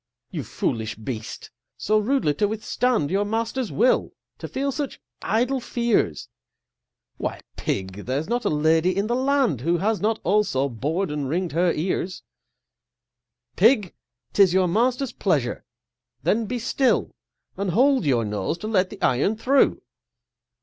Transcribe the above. You foolish beast, so rudely to withstand Your master's will, to feel such idle fears! Why, Pig, there's not a Lady in the land Who has not also bor'd and ring'd her ears. Pig! 'tis your master's pleasureâthen be still, And hold your nose to let the iron through!